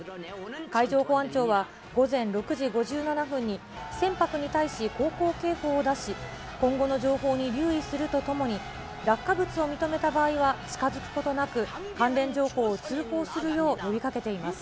海上保安庁は午前６時５７分に、船舶に対し、航行警報を出し、今後の情報に留意するとともに、落下物を認めた場合は、近づくことなく、関連情報を通報するよう呼びかけています。